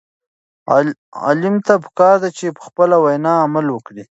عالم ته پکار ده چې په خپله وینا عمل وکړي.